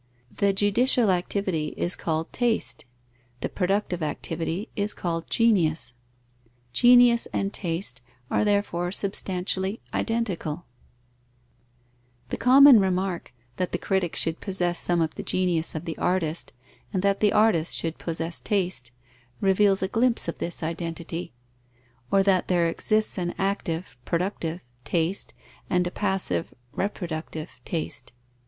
The judicial activity is called taste; the productive activity is called genius: genius and taste are therefore substantially identical. The common remark, that the critic should possess some of the genius of the artist and that the artist should possess taste, reveals a glimpse of this identity; or that there exists an active (productive) taste and a passive (reproductive) taste.